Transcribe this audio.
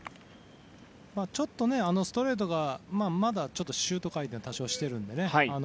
ちょっとストレートがまだシュート回転を多少しているのでね。